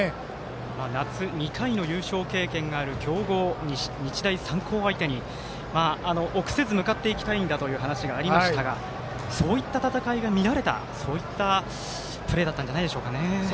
夏、２回の優勝経験がある強豪、日大三高を相手に臆せず向かっていきたいんだという話がありましたがそういった戦いが見られたプレーだったんじゃないでしょうか。